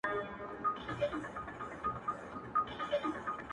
چي مي دري نیوي کلونه کشوله!.